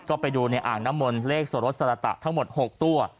ก็ไปดูในอ่างน้ำมนต์เลขโสรสสรตะทั้งหมด๖ตัว